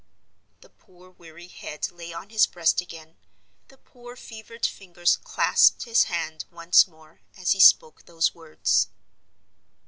The poor weary head lay on his breast again, the poor fevered fingers clasped his hand once more, as he spoke those words.